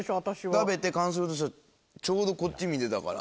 食べて感想言おうとしたらちょうどこっち見てたから。